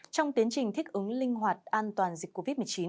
trong tiến trình thích ứng linh hoạt an toàn dịch covid một mươi chín